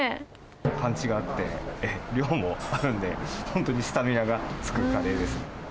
パンチがあって、量もあるんで、本当にスタミナがつくカレーですね。